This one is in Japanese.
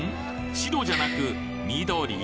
白じゃなく緑！？